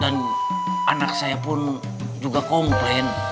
dan anak saya pun juga komplain